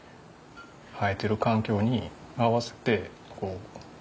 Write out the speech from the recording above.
生えてる環境に合わせてこう。